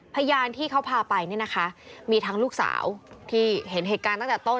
พยานที่เขาพาไปเนี่ยนะคะมีทั้งลูกสาวที่เห็นเหตุการณ์ตั้งแต่ต้น